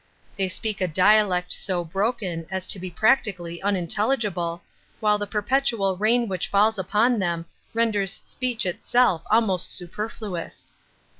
They speak a dialect so broken as to be practically unintelligible, while the perpetual rain which falls upon them renders speech itself almost superfluous.